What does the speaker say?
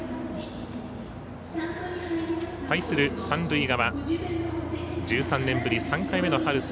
三塁側、１３年ぶり３回目の春